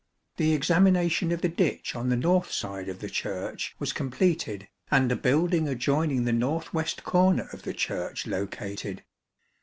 The examination of the ditch on the north side of the Church was completed, and a building adjoining the north west corner of the Church located.